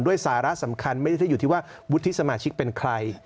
ด้วยสาระสำคัญไม่ได้ต้นกับวุฒิสมาชิกเป็นใคร